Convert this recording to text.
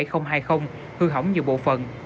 hư hỏng nhiều bộ phận